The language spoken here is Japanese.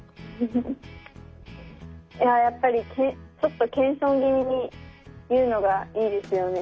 いややっぱりちょっと謙遜気味に言うのがいいですよね。